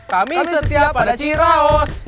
kami setia pada ciraos